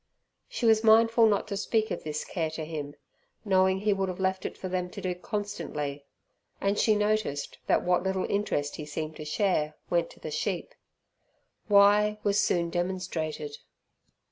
She was mindful not to speak of this care to him, knowing he would have left it for them to do constantly, and she noticed that what little interest he seemed to share went to the sheep. Why, was soon demonstrated.